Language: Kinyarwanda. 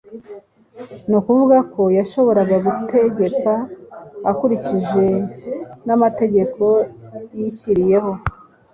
ni ukuvuga ko yashoboraga gutegeka akurikije n'amategeko yishyiriyeho,